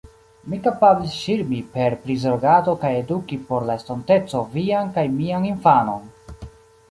Mi kapablis ŝirmi per prizorgado kaj eduki por la estonteco vian kaj mian infanon!